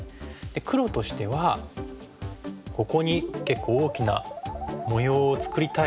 黒としてはここに結構大きな模様を作りたい状態ですよね。